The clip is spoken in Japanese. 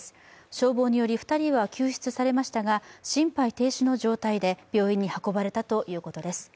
消防により２人は救出されましたが心肺停止の状態で病院に運ばれたということです。